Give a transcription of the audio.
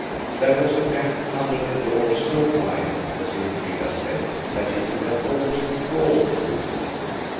There was a gap under the door so wide, as Elfrida said, that you could have almost crawled through it.